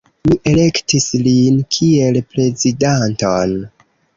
Mi elektis lin kiel prezidanton.